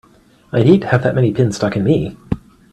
I'd hate to have that many pins stuck in me!